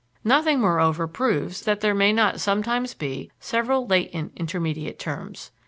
Nothing, moreover, proves that there may not sometimes be several latent intermediate terms.